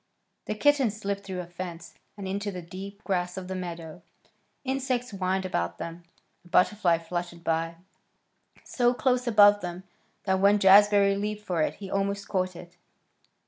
The kittens slipped through a fence and into the deep grass of the meadow. Insects whined about them. A butterfly fluttered by, so close above them that when Jazbury leaped for it he almost caught it.